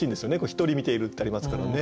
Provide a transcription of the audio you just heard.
「ひとり観ている」ってありますからね。